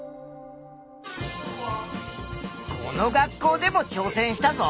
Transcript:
この学校でもちょうせんしたぞ！